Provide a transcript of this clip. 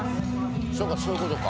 そうかそういうことか。